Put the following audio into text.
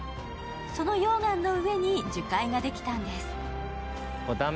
その溶岩の上に樹海ができたんです。